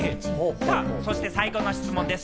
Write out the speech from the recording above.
そして最後の質問です。